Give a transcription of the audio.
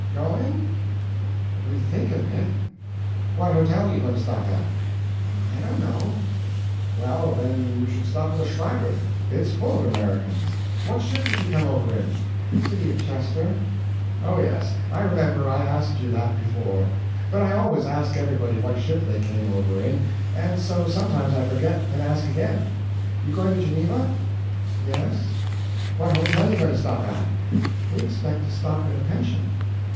"Going?" "We think of it." "What hotel you going to stop at?" "I don't know." "Well, then you stop at the Schreiber it's full of Americans. What ship did you come over in?" "CITY OF CHESTER." "Oh, yes, I remember I asked you that before. But I always ask everybody what ship they came over in, and so sometimes I forget and ask again. You going to Geneva?" "Yes." "What hotel you going to stop at?" "We expect to stop in a pension."